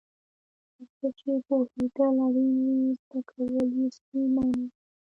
په څه چې پوهېدل اړین وي زده کول یې ستونزمن وي.